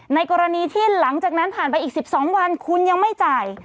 ในกรณีที่หลังจากนั้นผ่านไปอีก๑๒วันคุณยังไม่จ่าย